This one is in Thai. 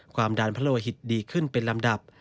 ความดันพระโลหิตดีขึ้นเป็นลำดับ